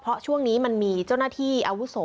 เพราะช่วงนี้มันมีเจ้าหน้าที่อาวุโส